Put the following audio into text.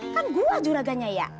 kan gua juragannya ya